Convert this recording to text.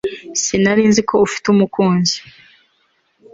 Sinari nzi ko ufite umukunzi